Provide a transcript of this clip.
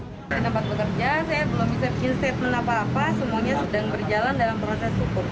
di tempat bekerja saya belum bisa bikin statement apa apa semuanya sedang berjalan dalam proses hukum